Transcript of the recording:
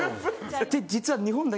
実は。